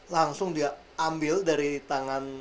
langsung dia ambil dari tangan